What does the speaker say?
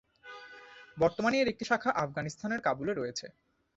বর্তমানে এর একটি শাখা আফগানিস্তানের কাবুলে রয়েছে।